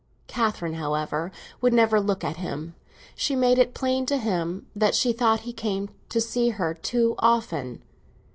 Catherine, however, would never look at him; she made it plain to him that she thought he came to see her too often.